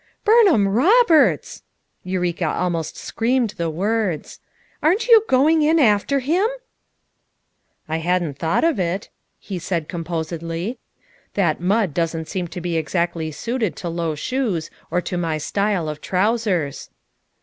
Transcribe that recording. "Burnham Roberts!" Eureka almost screamed the words, "aren't you going in after him!" "I hadn't thought of it," he said composedly. "That mud doesn't seem to be exactly suited to low shoes or to my style of trousers."